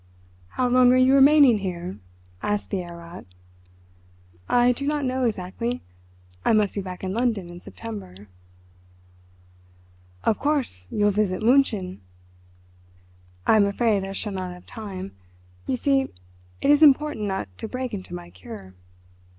"How long are you remaining here?" asked the Herr Rat. "I do not know exactly. I must be back in London in September." "Of course you will visit München?" "I am afraid I shall not have time. You see, it is important not to break into my 'cure.